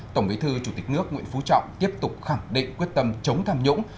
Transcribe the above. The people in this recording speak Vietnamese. tổng bí thư chủ tịch nước nguyễn phú trọng tiếp tục khẳng định quyết tâm chống tham nhũng